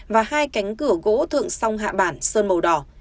và hai cánh cửa gỗ thượng song hạ bản sơn màu đỏ